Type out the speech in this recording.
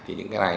thì những cái này